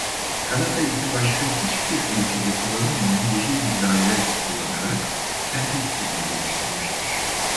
Kanada ise başka hiçbir ülkede kullanılmayan yeşil bir daire kullanarak kendi stilini geliştirmiştir.